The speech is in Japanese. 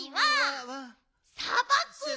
さばくの。